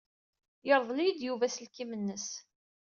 Yerḍel-iyi-d Yuba aselkim-nnes.